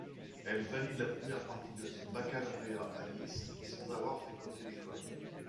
Elle valide la première partie de son baccalauréat à Nice, sans avoir fréquenté l'école.